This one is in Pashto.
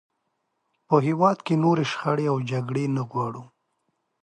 په هېواد کې نورې شخړې او جګړې نه غواړو.